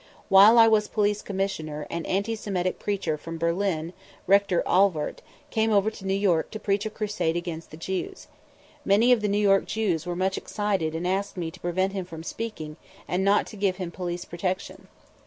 While I was Police Commissioner an anti Semitic preacher from Berlin, Rector Ahlwardt, came over to New York to preach a crusade against the Jews. Many of the New York Jews were much excited and asked me to prevent him from speaking and not to give him police protection.